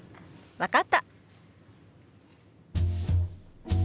分かった。